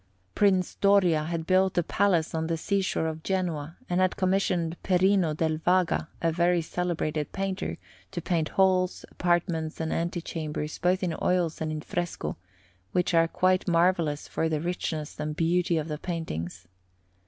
Prince Doria had built a palace on the seashore in Genoa, and had commissioned Perino del Vaga, a very celebrated painter, to paint halls, apartments, and ante chambers both in oils and in fresco, which are quite marvellous for the richness and beauty of the paintings.